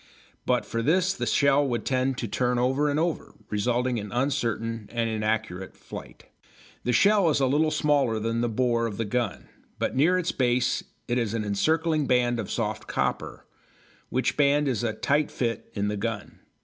But for this the shell would tend to turn over and over, resulting in uncertain and inaccurate flight. The shell is a little smaller than the bore of the gun, but near its base it has an encircling band of soft copper, which band is a tight fit in the gun.